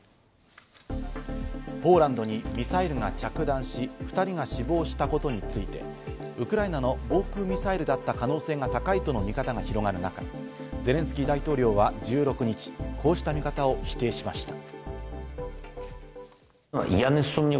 ポーランドにミサイルが着弾し、２人が死亡したことについて、ウクライナの防空ミサイルだった可能性が高いとの見方が広がる中、ゼレンスキー大統領は１６日、こうした見方を否定しました。